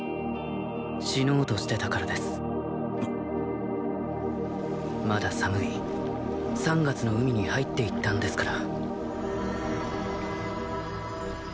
死のうとしてたからですまだ寒い３月の海に入っていったんですから